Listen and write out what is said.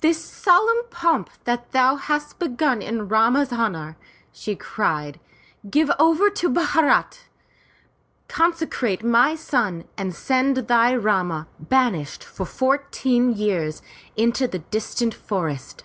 "This solemn pomp that thou hast begun in Rama's honor,*' she cried, give over to Bharat! Consecrate my son and send thy Rama, banished for fourteen years, into the distant forests.